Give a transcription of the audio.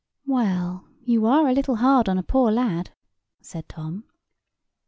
"Well, you are a little hard on a poor lad," said Tom.